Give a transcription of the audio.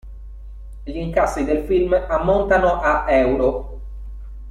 Gli incassi del film ammontano a euro.